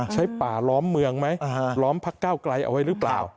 ป่าล้อมเมืองไหมล้อมพักเก้าไกลเอาไว้หรือเปล่า